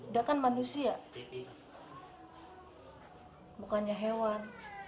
dia kan manusia bukannya hewan